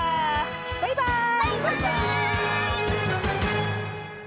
バイバーイ！